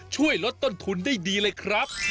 ช่วยลดต้นทุนได้ดีเลยครับ